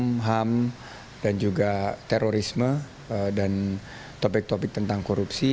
ham dan juga terorisme dan topik topik tentang korupsi